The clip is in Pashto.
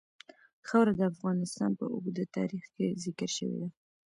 خاوره د افغانستان په اوږده تاریخ کې ذکر شوې ده.